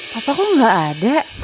papa kok gak ada